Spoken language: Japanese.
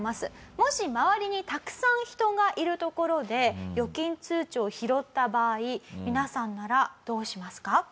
もし周りにたくさん人がいる所で預金通帳を拾った場合皆さんならどうしますか？